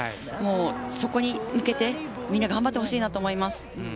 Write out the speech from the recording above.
そこに向けて頑張ってほしいと思います。